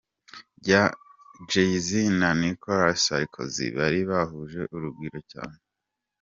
JayZ na Nicolas Sarkozy bari bahuje urugwiro cyane.